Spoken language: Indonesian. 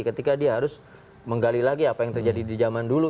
ketika dia harus menggali lagi apa yang terjadi di zaman dulu